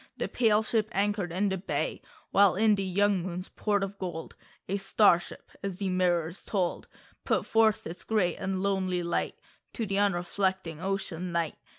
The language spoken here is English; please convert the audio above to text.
The pale ship anchored in the bay, While in the young moon's port of gold A star ship — as the mirrors told — Put forth its great and lonely light To the unreflecting Ocean, Night.